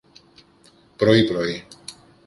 πρωί-πρωί